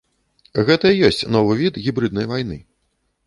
Гэта і ёсць новы від гібрыднай вайны.